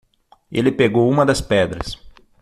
Ele pegou uma das pedras.